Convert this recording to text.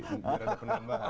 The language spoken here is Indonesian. biar ada penambahan